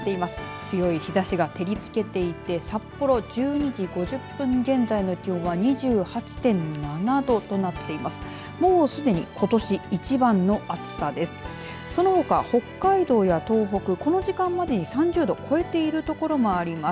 強い日ざしが照りつけていて札幌、１２時５０分現在の気温は２８．７度となっています。